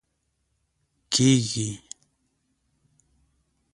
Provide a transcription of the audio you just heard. کېږي